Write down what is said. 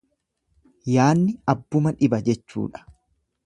Yaanni abbuma dhiba jechuudha.